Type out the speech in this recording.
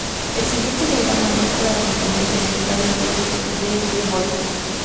El siguiente diagrama muestra a las localidades en un radio de de Bolton.